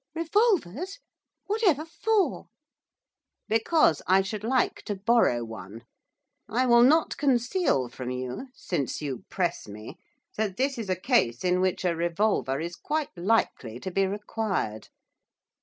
'Revolvers? whatever for?' 'Because I should like to borrow one. I will not conceal from you since you press me that this is a case in which a revolver is quite likely to be required.